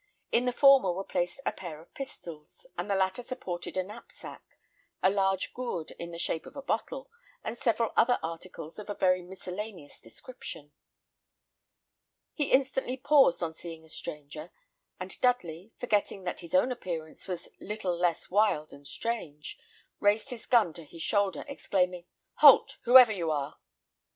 In the former were placed a pair of pistols; and the latter supported a knapsack, a large gourd in the shape of a bottle, and several other articles of a very miscellaneous description. He instantly paused on seeing a stranger; and Dudley, forgetting that his own appearance was little less wild and strange, raised his gun to his shoulder, exclaiming, "Halt, whoever you are!"